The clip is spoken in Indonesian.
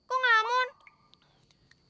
kakak tuh mikirin apa sih kok ngamun